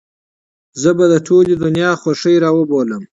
زه به د ټولې دنيا خوښۍ راوبولم.